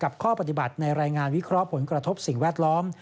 ข้อปฏิบัติในรายงานวิเคราะห์ผลกระทบสิ่งแวดล้อม